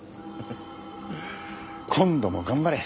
今度も頑張れ。